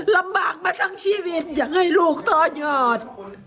ลำบากมาทั้งชีวิตอยากให้ลูกต่อยอด